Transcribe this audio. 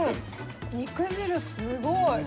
肉汁すごい。